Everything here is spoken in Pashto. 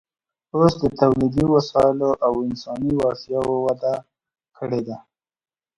اوس د تولیدي وسایلو او انساني وړتیاوو وده کړې ده